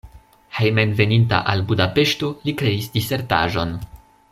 Hejmenveninta al Budapeŝto li kreis disertaĵon.